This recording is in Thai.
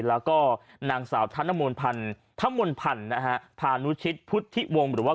แล้วก็นางสาวธรรมนพรรณฑรรมนพรรณฑภานุชิตพุธธิวงท์หรือว่า